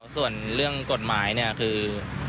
ส่วนเรื่องกฎหมายเนี่ยคือ